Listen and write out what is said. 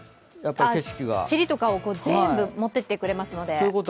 ちりとかを全部持っていってくれるので。